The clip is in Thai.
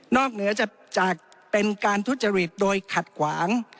เหนือจากเป็นการทุจริตโดยขัดขวาง